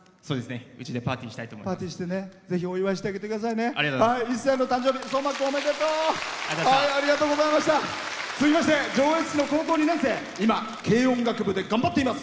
うちでパーティーしたいと思います。